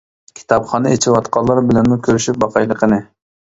كىتابخانا ئېچىۋاتقانلار بىلەنمۇ كۆرۈشۈپ باقايلى قېنى.